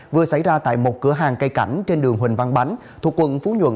vừa xảy ra tại một cửa hàng cây cảnh trên đường huỳnh văn bánh thuộc quận phú nhuận